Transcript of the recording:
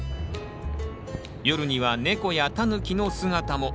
夜にはネコやタヌキの姿も。